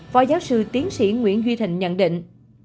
phó giáo sư tiến sĩ nguyễn duy thịnh nhận định